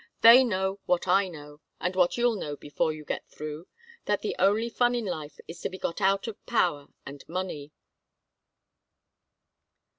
They know what I know, and what you'll know before you get through, that the only fun in life is to be got out of power and money."